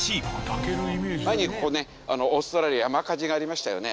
「抱けるイメージ」前にここねオーストラリア山火事がありましたよね。